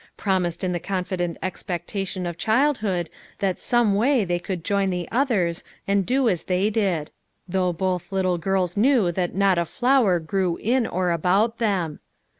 Promised in the confident expectation of childhood that some way they could join the others and do as they did; though both little girls knew that not a flower grew in or about them.